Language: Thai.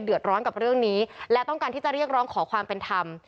เดือดร้อนกับเรื่องนี้และต้องการที่จะเรียกร้องขอความเป็นธรรม